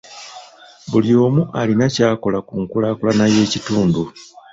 Buli omu alina ky'akola ku nkulaakulana y'ekitundu.